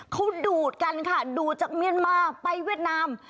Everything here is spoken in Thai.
เขาดูดกันค่ะดูดจากเมียนมาไปเวียดนาม